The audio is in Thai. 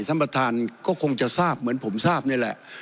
ท่านประธานก็คงจะทราบเหมือนผมทราบนี่แหละ